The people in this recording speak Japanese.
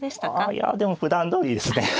あいやでもふだんどおりですね。